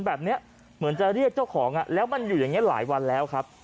แบบนี้เหมือนจะเรียกเจ้าของแล้วมันอยู่อย่างนี้หลายวันแล้วครับ